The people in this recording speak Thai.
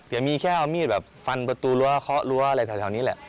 เดี๋ยวมีแค่เอามีดแบบฟันประตูรั้วเคาะรั้วอะไรแถวนี้แหละ